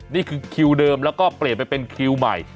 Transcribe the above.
นี่คือคิวเดิมแล้วก็เปลี่ยนไปเป็นคิวใหม่